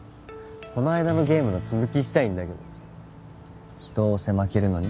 この間のゲームの続きしたいんだけどどうせ負けるのに？